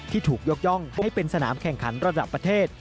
ที่ถูกยกย่องให้เป็นสนามแข่งขันระดับประเทศ